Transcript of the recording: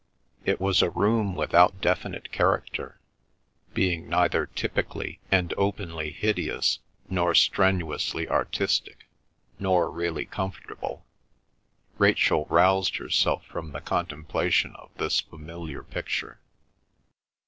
It was a room without definite character, being neither typically and openly hideous, nor strenuously artistic, nor really comfortable. Rachel roused herself from the contemplation of this familiar picture.